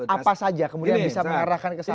apa saja kemudian bisa mengarahkan ke sana